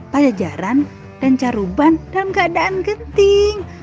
pajajaran dan caruban dalam keadaan genting